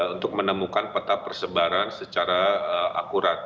untuk menemukan peta persebaran secara akurat